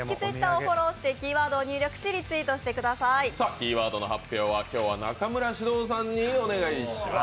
キーワードの発表は今日は中村獅童さんにお願いします。